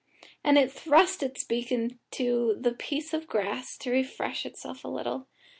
And it thrust its beak into the piece of grass, to refresh itself a little.